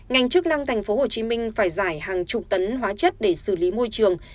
ngành chức năng tp hcm phải giải hàng chục tấn hóa chất để xử lý môi trường